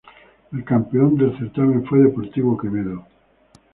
El campeón del certamen fue Deportivo Quevedo.